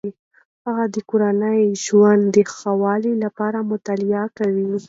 هغې د کورني ژوند د ښه والي لپاره مطالعه کوي.